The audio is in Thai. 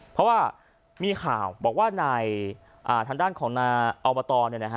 เพราะว่ามีข่าวบอกว่าในทางด้านของนาอบต